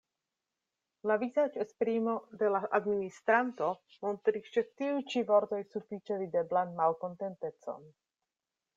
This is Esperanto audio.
La vizaĝesprimo de la administranto montris ĉe tiuj ĉi vortoj sufiĉe videblan malkontentecon.